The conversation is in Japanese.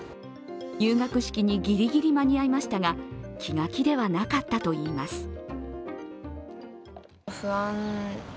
入学式にギリギリ間に合いましたが気が気ではなかったといいます。